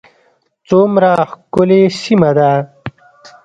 څومره ښکلې سیمه ده